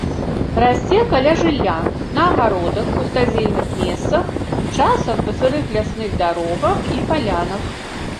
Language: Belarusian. Расце каля жылля, на агародах, пустазельных месцах, часам па сырых лясных дарогах і палянах.